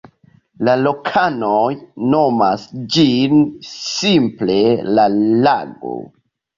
La lokanoj nomas ĝin simple "la lago".